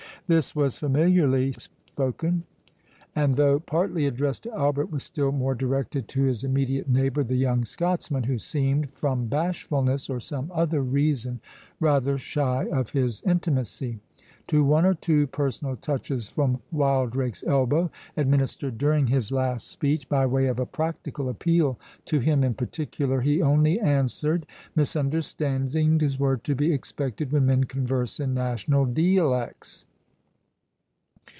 This was familiarly spoken, and though partly addressed to Albert, was still more directed to his immediate neighbour, the young Scotsman, who seemed, from bashfulness, or some other reason, rather shy of his intimacy. To one or two personal touches from Wildrake's elbow, administered during his last speech, by way of a practical appeal to him in particular, he only answered, "Misunderstandings were to be expected when men converse in national deealects."